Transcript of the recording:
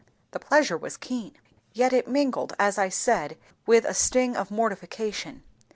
The pleasure was keen. Yet it mingled, as I said, with a sting of mortification.